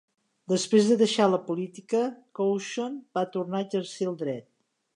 Després de deixar la política, Cauchon va tornar a exercir el dret.